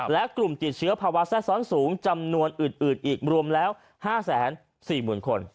และกลุ่มติดเชื้อภาวะแทรกซ้อนสูงจำนวนอื่นอีกรวมแล้ว๕๔๐๐๐คน